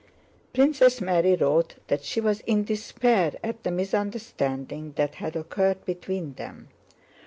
Princess Mary wrote that she was in despair at the misunderstanding that had occurred between them.